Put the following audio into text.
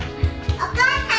お母さん！